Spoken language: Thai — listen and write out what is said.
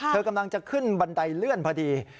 เธอกำลังจะขึ้นบันไดเลื่อนพอดี